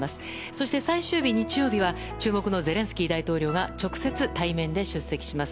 そして最終日の日曜日は注目のゼレンスキー大統領が直接対面で出席します。